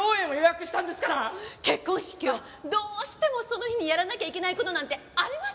結婚式はどうしてもその日にやらなきゃいけない事なんてあります？